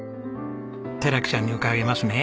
寺木さんに伺いますね。